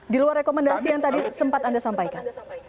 di luar rekomendasi yang tadi sempat anda sampaikan